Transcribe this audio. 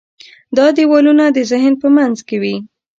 دا دیوالونه د ذهن په منځ کې وي.